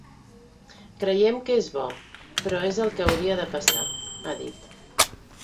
“Creiem que és bo, però és el que hauria de passar”, ha dit.